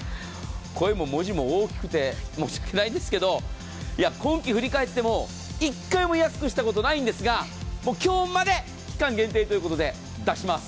声も文字も大きくて申し訳ないんですが今季、振り返っても１回も安くしたことないんですが今日まで期間限定ということで出します。